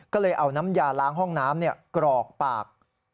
ก็เลยเอาน้ำยาล้างห้องน้ำกรอกปาก